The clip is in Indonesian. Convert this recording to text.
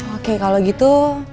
oke kalau gitu